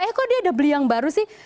eh kok dia udah beli yang baru sih